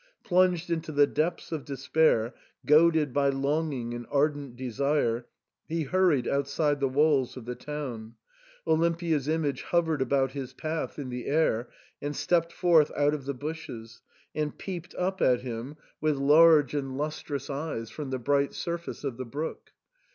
Plunged into the depths of despair, — goaded by longing and ardent desire, he hurried outside the t^^alls of the town. . Olimpia*s image hov ered about his path in the air and stepped forth out of the bushes, and peeped up at him with large and 200 THE SAND'MAN. lustrous eyes from the bright surface of the brook.